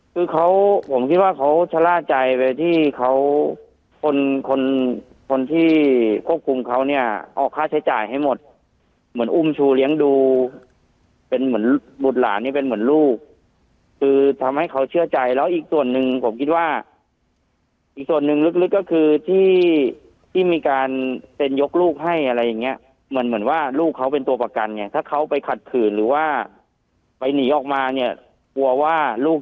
คือเขาผมคิดว่าเขาชะล่าใจไปที่เขาคนคนคนที่ควบคุมเขาเนี่ยออกค่าใช้จ่ายให้หมดเหมือนอุ้มชูเลี้ยงดูเป็นเหมือนบุตรหลานเนี่ยเป็นเหมือนลูกคือทำให้เขาเชื่อใจแล้วอีกส่วนหนึ่งผมคิดว่าอีกส่วนหนึ่งลึกก็คือที่ที่มีการเซ็นยกลูกให้อะไรอย่างเงี้ยเหมือนเหมือนว่าลูกเขาเป็นตัวประกันไงถ้าเขาไปขัดขืนหรือว่าไปหนีออกมาเนี่ยกลัวว่าลูก